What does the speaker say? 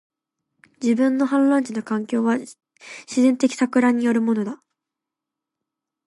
自然の氾濫地の環境は、自然的撹乱によるものだ